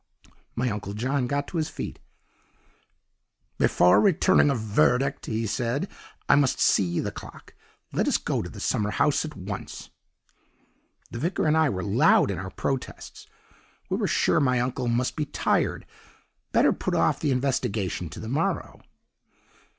"My Uncle John got on his feet. "'Before returning a verdict,' he said, 'I must see the clock. Let us go to the summer house at once.' "The vicar and I were loud in our protests 'We were sure my uncle must be tired; better put off the investigation to the morrow.